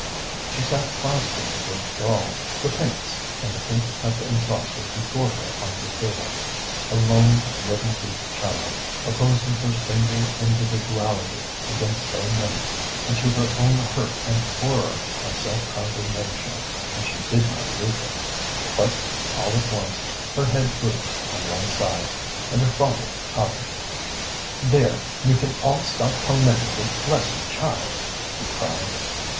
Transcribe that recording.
She sat clasping the great doll, the pinks, and the pink cup and saucer before her on the table a lone little weak child, opposing her single individuality against so many, and to her own hurt and horror and self condemnation, and she did not weaken; but all at once her head drooped on one side, and her father caught her. "There! you can all stop tormentin' this blessed child!" he cried.